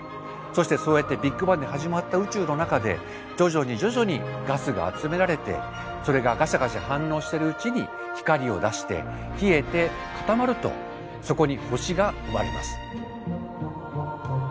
そしてそうやってビッグバンで始まった宇宙の中で徐々に徐々にガスが集められてそれがガシャガシャ反応してるうちに光を出して冷えて固まるとそこに星が生まれます。